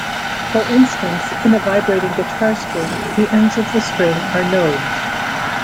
For instance, in a vibrating guitar string, the ends of the string are nodes.